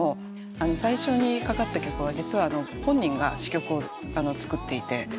最初にかかった曲は実は本人が詞曲を作っていて。